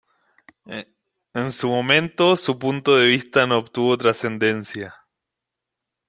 En su momento, su punto de vista no obtuvo trascendencia.